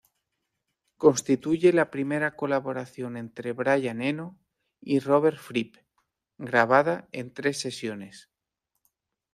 Constituye la primera colaboración entre Brian Eno y Robert Fripp, grabada en tres sesiones.